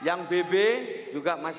yang bb juga masih tidak dapat